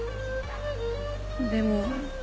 でも。